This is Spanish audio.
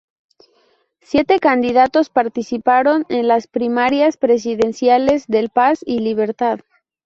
Siete candidatos participaron en las primarias presidenciales del Paz y Libertad.